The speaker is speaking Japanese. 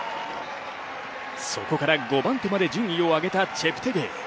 そこから５番手まで順位を上げたチェプテゲイ。